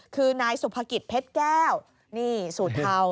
คือนายสุภกิจเพชรแก้วนี่สูตรเทา